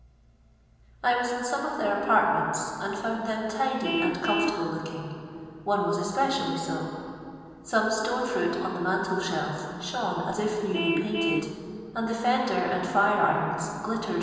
tcnie. I iv ni in aonie of thrir npnrtmentt, and ' found them tid\ and comfnrubli iookiii;;: one was , especially go. Some stone fruit on tlie mnntel thelf shone ns if newly pftint(?d, and the fender \ and firi' irons glittered In.